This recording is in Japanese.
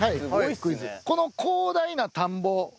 この広大な田んぼ